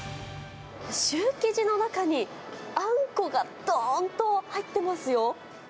シュー生地の中に、あんこがどーんと入ってますよ。